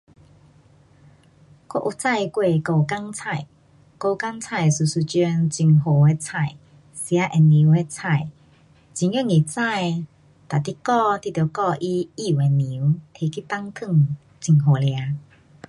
我有种过狗肝菜。狗肝菜是一种很好的菜。吃会凉的菜。很容易种。那你剪你得剪嫩的叶拿去放汤很好吃。